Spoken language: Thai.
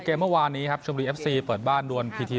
เมื่อวานนี้ครับชมบุรีเอฟซีเปิดบ้านดวนพีที